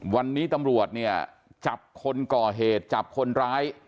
วันนี้ตำรวจเนี่ยจับคนก่อเหตุจับคนร้าย